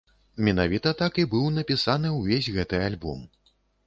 Менавіта так і быў напісаны ўвесь гэты альбом.